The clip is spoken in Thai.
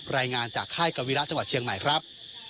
รายงานจากค่ายกวิระจังหวัดเชียงใหม่ครับ